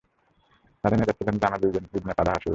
তাদের নেতা ছিলেন জামলীঈল ইবন ফাদাহ সূর।